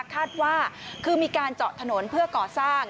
คาดว่าคือมีการเจาะถนนเพื่อก่อสร้าง